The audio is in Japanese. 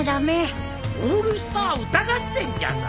『オールスター歌合戦』じゃぞ。